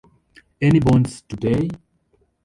Any Bonds Today?